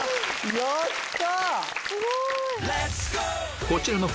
やった！